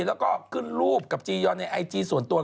แล้วก็ขึ้นรูปกับจียอนในไอจีส่วนตัว